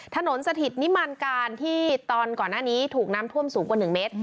สถิตนิมันการที่ตอนก่อนหน้านี้ถูกน้ำท่วมสูงกว่า๑เมตร